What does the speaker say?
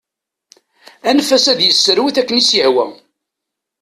Anef-as ad iserwet akken i s-yehwa.